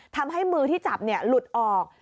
ทำให้มือที่จับหลุดออก